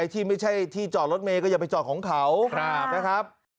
ที่ไม่ใช่ที่จอดรถเมย์ก็อย่าไปจอดของเขานะครับ